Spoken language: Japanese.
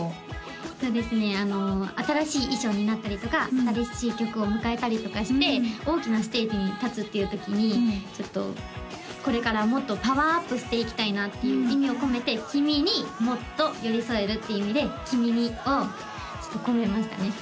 えっとですね新しい衣装になったりとか新しい曲を迎えたりとかして大きなステージに立つっていう時にちょっとこれからもっとパワーアップしていきたいなっていう意味を込めて「きみにもっと寄り添える」っていう意味で「きみに」を込めましたね